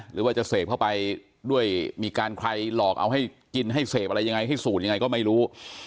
หรือว่าจะเสพเข้าไปด้วยมีการใครหลอกเอาให้กินให้เสพอะไรยังไงให้สูตรยังไงก็ไม่รู้